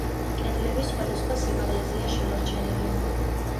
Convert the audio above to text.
კედლები სხვადასხვა სიმაღლეზეა შემორჩენილი.